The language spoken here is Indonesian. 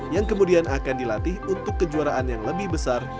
yang kemudian akan dilatih untuk kejuaraan yang lebih besar